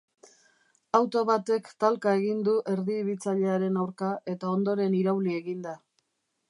Auto batek talka egin du erdibitzailearen aurka, eta ondoren irauli egin da.